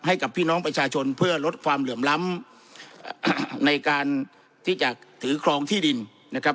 ให้กับพี่น้องประชาชนเพื่อลดความเหลื่อมล้ำในการที่จะถือครองที่ดินนะครับ